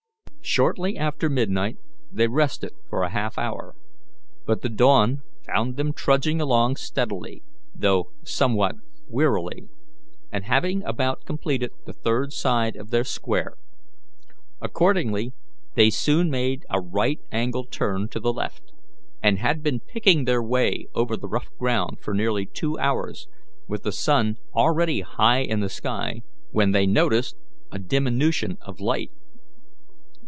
Shortly after midnight they rested for a half hour, but the dawn found them trudging along steadily, though somewhat wearily, and having about completed the third side of their square. Accordingly, they soon made a right angle turn to the left, and had been picking their way over the rough ground for nearly two hours, with the sun already high in the sky, when they noticed a diminution of light.